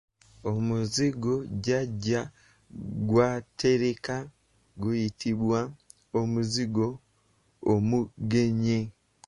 Omuzigo jjajja gw’atereka guyitibwa Omuzigo omugenye.